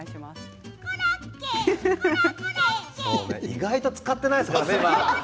意外と使っていないですね。